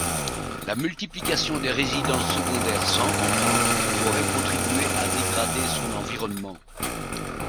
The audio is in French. La multiplication des résidences secondaires sans contrôle aurait contribué à dégrader son environnement.